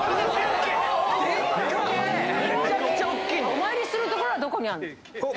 お参りする所はどこにあるの？